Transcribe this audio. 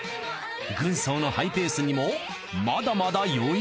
軍曹のハイペースにもまだまだ余裕！